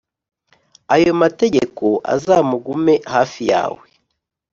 ayo mategeko azamugume hafi yawe,